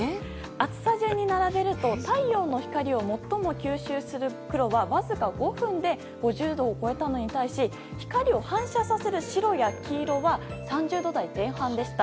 熱さ順に並べると太陽の光を最も吸収する黒はわずか５分で５０度を超えたのに対し光を反射させる白や黄色は３０度台前半でした。